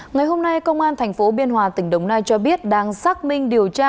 ngày hôm nay công an tp biên hòa tỉnh đồng nai cho biết đang xác minh điều tra